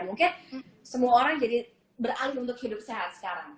mungkin semua orang jadi beralih untuk hidup sehat sekarang